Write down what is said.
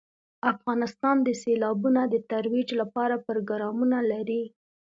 افغانستان د سیلابونه د ترویج لپاره پروګرامونه لري.